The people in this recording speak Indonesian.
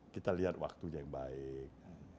kita lihat waktunya yang baik